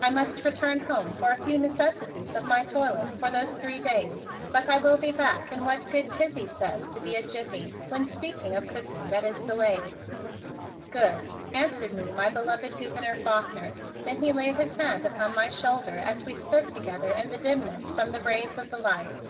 "I must return home for a few necessities of my toilet for those three days, but I will be back in what that good Kizzie says to be a jiffy, when speaking of cooking that is delayed." "Good," answered me my beloved Gouverneur Faulkner. Then he laid his hand upon my shoulder as we stood together in the dimness out from the rays of the light.